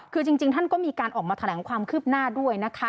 คือจริงท่านก็มีการออกมาแถลงความคืบหน้าด้วยนะคะ